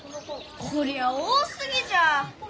こりゃあ多すぎじゃ！